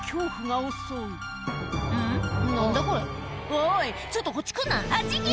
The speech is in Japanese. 「おいちょっとこっち来んなあっち行け！」